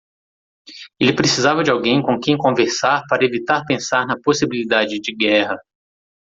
Ele precisava de alguém com quem conversar para evitar pensar na possibilidade de guerra.